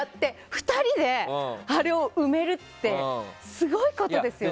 ２人であれを埋めるってすごいことですよね。